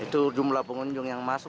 itu jumlah pengunjung yang masuk